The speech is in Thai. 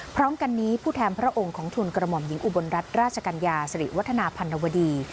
พร้อมกันนี้ผู้แทนพระองค์ของทุนกระหม่อมหญิงอุบลรัฐราชกัญญาสิริวัฒนาพันธวดี